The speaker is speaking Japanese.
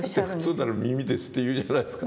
普通なら「耳です」って言うじゃないですか。